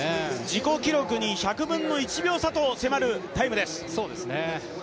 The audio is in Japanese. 自己記録に１００分の１秒差と迫るタイムです。